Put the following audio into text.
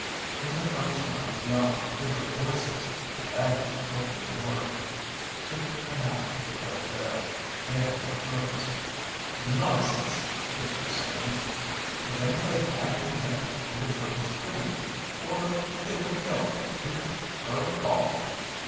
In the furnace room beyond we heard voices, and Aggie opened the door. Tish and Hannah were both there. They had not heard us. "Nonsense!" Tish was saying. "If anybody had been hit we'd have heard a scream; or if they were killed we'd have heard 'em fall."